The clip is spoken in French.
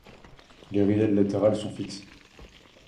Les ridelles latérales sont fixes.